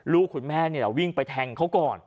ลูกคุณแม่วิ่งไปแทงเขาก่อน